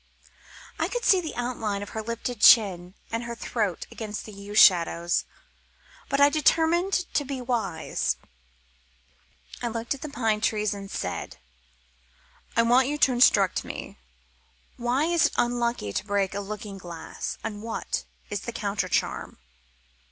I could see the outline of her lifted chin and her throat against the yew shadows, but I determined to be wise. I looked at the pine trees and said "I want you to instruct me. Why is it unlucky to break a looking glass? and what is the counter charm?"